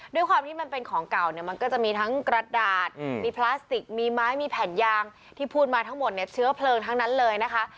ด้วยความที่มันเป็นของเก่าเนี่ยมันก็จะมีทั้งกระดาษมีพลาสติกมีไม้มีแผ่นยางที่พูดมาทั้งหมดเนี่ยเชื้อเพลิงทั้งนั้นเลยนะคะ